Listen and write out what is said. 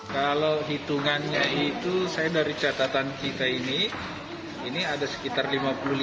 kalau hitungannya itu saya dari catatan kita ini ini ada sekitar lima puluh lima